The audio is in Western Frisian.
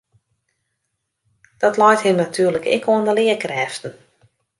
Dat leit him natuerlik ek oan de learkrêften.